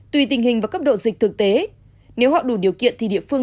tùy tình hình và cấp độ dịch thực tế nếu họ đủ điều kiện thì địa phương